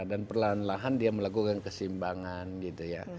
dan perlahan lahan dia melakukan kesimbangan gitu ya